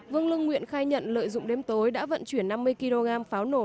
vương lương nguyện khai nhận lợi dụng đêm tối đã vận chuyển năm mươi kg pháo nổ